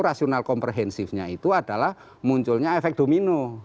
rasional komprehensifnya itu adalah munculnya efek domino